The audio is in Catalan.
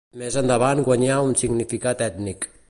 Més endavant guanyà un significat ètnic.